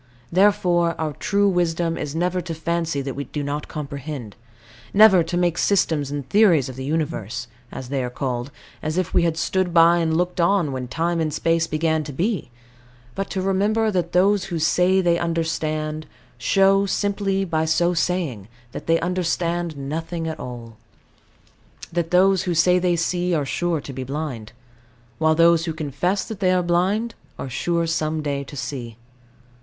Therefore our true wisdom is never to fancy that we do comprehend: never to make systems and theories of the Universe (as they are called) as if we had stood by and looked on when time and space began to be; but to remember that those who say they understand, show, simply by so saying, that they understand nothing at all; that those who say they see, are sure to be blind; while those who confess that they are blind, are sure some day to see.